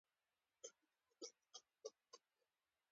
آزادي ورکړې وه.